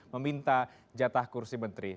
meminta jatah kursi menteri